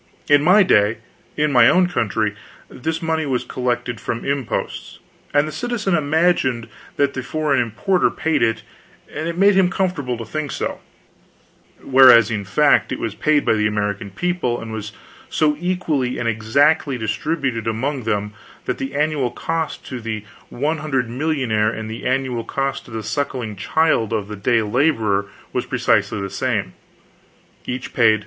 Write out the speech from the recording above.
In my day, in my own country, this money was collected from imposts, and the citizen imagined that the foreign importer paid it, and it made him comfortable to think so; whereas, in fact, it was paid by the American people, and was so equally and exactly distributed among them that the annual cost to the 100 millionaire and the annual cost to the sucking child of the day laborer was precisely the same each paid $6.